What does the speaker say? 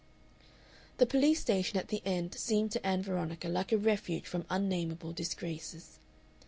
The police station at the end seemed to Ann Veronica like a refuge from unnamable disgraces.